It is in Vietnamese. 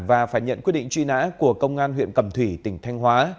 và phải nhận quyết định truy nã của công an tp thanh hóa tỉnh thanh hóa